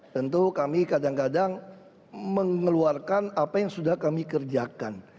tentu kami kadang kadang mengeluarkan apa yang sudah kami kerjakan